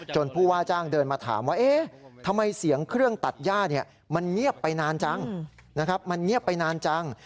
จนผู้ว่าจ้างเดินมาถามว่าทำไมเสียงเครื่องตัดย่ามันเงียบไปนานจัง